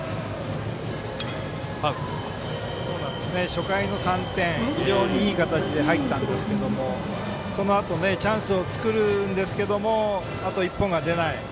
初回の３点非常にいい形で入ったんですけどそのあとチャンスを作るんですがあと１本が出ない。